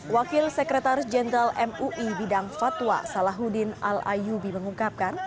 wakil sekretaris jenderal mui bidang fatwa salahuddin al ayubi mengungkapkan